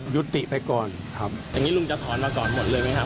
ยุติไปก่อนครับอย่างนี้ลุงจะถอนมาก่อนหมดเลยไหมครับ